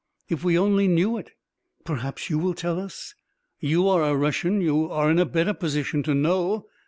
If we only knew it.... Perhaps, you will tell us? You are a Russian, you are in a better position to know...."